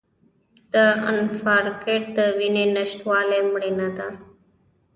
د انفارکټ د وینې نشتوالي مړینه ده.